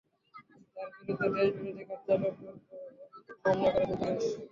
তার বিরুদ্ধে দেশবিরোধী কার্যকলাপের অভিযোগে মামলা করেছে পুলিশ।